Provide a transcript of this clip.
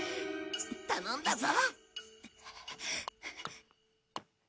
頼んだぞ！